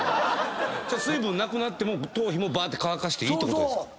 水分なくなっても頭皮もばーって乾かしていいってこと？